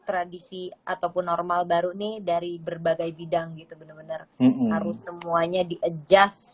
tradisi ataupun normal baru nih dari berbagai bidang gitu benar benar harus semuanya di adjust